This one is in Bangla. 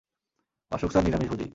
অশোক স্যার নিরামিষভোজী।